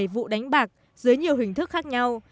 ba mươi bảy vụ đánh bạc dưới nhiều hình thức khác nhau